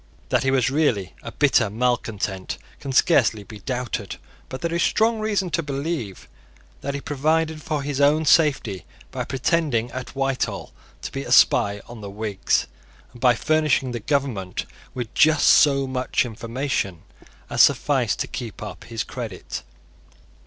That he was really a bitter malecontent can scarcely be doubted. But there is strong reason to believe that he provided for his own safety by pretending at Whitehall to be a spy on the Whigs, and by furnishing the government with just so much information as sufficed to keep up his credit.